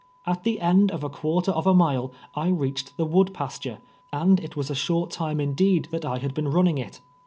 At the end of a fpuirter of a mile I reached the wood pasture, and it was a short time indeed that I had been running it.